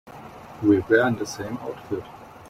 We were in the same outfit.